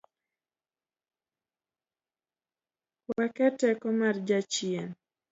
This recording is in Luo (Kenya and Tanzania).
Wake teko mar jachien